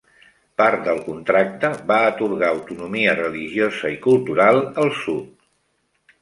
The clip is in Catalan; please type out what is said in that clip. Part del contracte va atorgar autonomia religiosa i cultural al sud.